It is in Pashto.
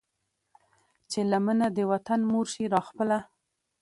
چې لمنه د وطن مور شي را خپله